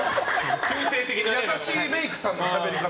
優しいメイクさんのしゃべり方。